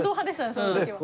その時は。